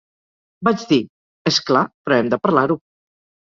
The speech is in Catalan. Vaig dir: és clar, però hem de parlar-ho.